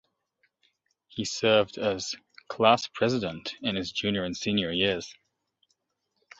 He served as class president in his junior and senior years.